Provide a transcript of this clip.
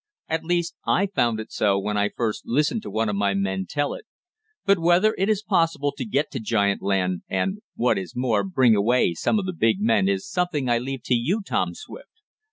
"At least I found it so when I first listened to one of my men tell it. But whether it is possible to get to giant land, and, what is more bring away some of the big men, is something I leave to you, Tom Swift.